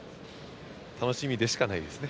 楽しみでしかないですね。